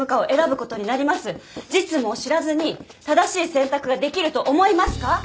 実務を知らずに正しい選択ができると思いますか？